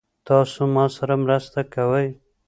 تاسو ما سره مرسته کوئ؟